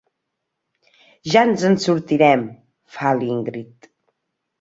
Ja ens en sortirem —fa l'Ingrid.